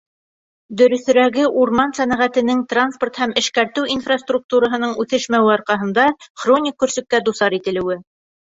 Дөрөҫөрәге, урман сәнәғәтенең транспорт һәм эшкәртеү инфраструктураһының үҫешмәүе арҡаһында, хроник көрсөккә дусар ителеүе.